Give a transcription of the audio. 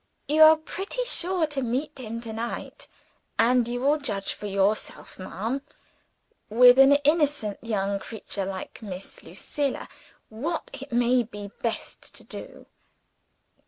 You are pretty sure to meet him to night; and you will judge for yourself, ma'am with an innocent young creature like Miss Lucilla what it may be best to do?"